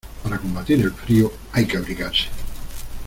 Para combatir el frío, hay que abrigarse.